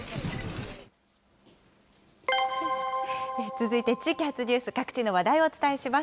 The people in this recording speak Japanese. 続いて地域発ニュース、各地の話題をお伝えします。